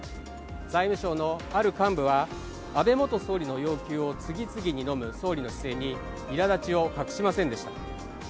財務省のある幹部は安倍元総理の要求を次々に飲む総理の姿勢にいらだちを隠しませんでした。